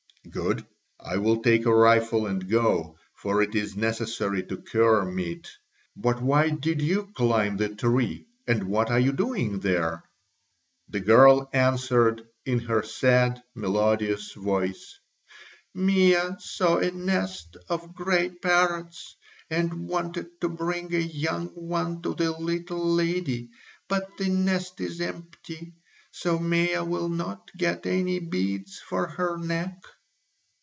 "Good! I will take a rifle and go, for it is necessary to cure meat. But why did you climb the tree, and what are you doing there?" The girl answered in her sad, melodious voice: "Mea saw a nest of gray parrots and wanted to bring a young one to the little lady, but the nest is empty, so Mea will not get any beads for her neck."